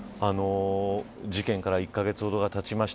事件から１カ月ほどがたちました。